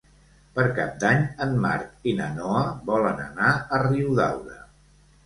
Per Cap d'Any en Marc i na Noa volen anar a Riudaura.